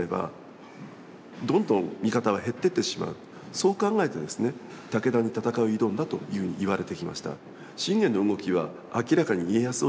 そう考えて武田に戦いを挑んだというふうにいわれてきました。